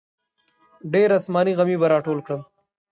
ډېر اسماني غمي به راټول کړم.